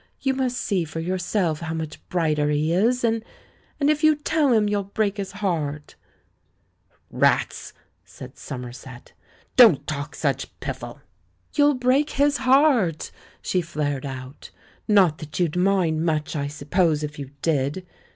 You must see for yourself how much brighter he is. And — and if you tell him, you'll break his heart." "Rats!" said Somerset. "Don't talk such piffle!" 120 THE MAN WHO UNDERSTOOD WOMEN "You'll break his heart !" she flared out. "Not that you'd mind much, I suppose, if you did.